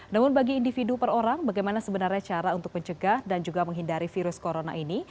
namun bagi individu per orang bagaimana sebenarnya cara untuk mencegah dan juga menghindari virus corona ini